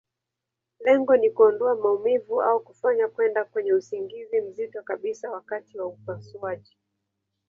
Lengo ni kuondoa maumivu, au kufanya kwenda kwenye usingizi mzito kabisa wakati wa upasuaji.